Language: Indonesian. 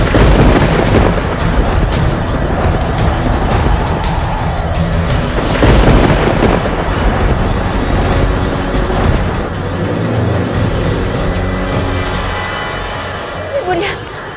pagang koif ini ibu nia